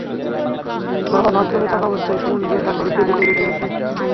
বাবা বাথরুমে থাকা অবস্থায় সুমন গিয়ে তাঁর ঘরের টেবিলে রেখে আসে।